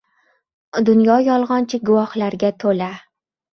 Dunyo yolg‘onchi guvohlarga to‘la.